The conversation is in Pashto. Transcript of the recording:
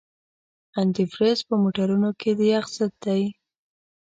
انتي فریز په موټرونو کې د یخ ضد دی.